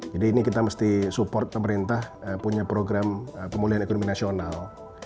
jadi ini kita mesti support pemerintah punya program pemulihan ekonomi nasional